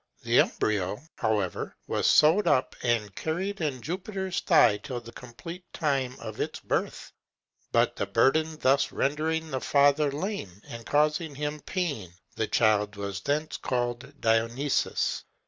The embryo, however, was sewed up, and carried in Jupiter's thigh till the complete time of its birth; but the burden thus rendering the father lame, and causing him pain, the child was thence called Dionysus.